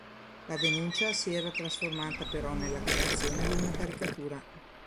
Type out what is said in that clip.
La denuncia si era trasformata però nella creazione di una caricatura.